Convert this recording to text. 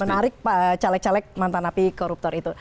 menarik pak caleg caleg mantan api koruptor itu